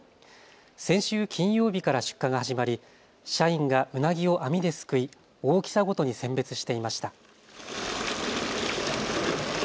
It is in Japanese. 先週金曜日から出荷が始まり社員がうなぎを網ですくい大きさごとに選別していました。